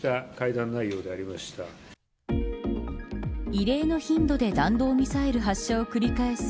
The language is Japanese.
異例の頻度で弾道ミサイル発射を繰り返す